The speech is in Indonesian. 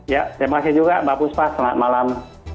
ya terima kasih juga mbak puspa selamat malam